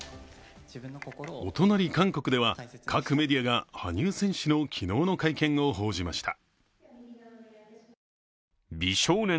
お隣、韓国では各メディアが羽生選手の昨日の会見を報じました。